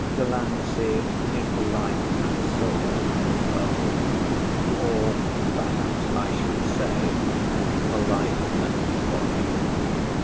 Delancey is the life and soul of a party or perhaps I should say the life and body.